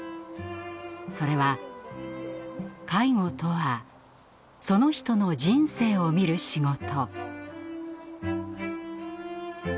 それは「介護とはその人の人生を看る仕事」。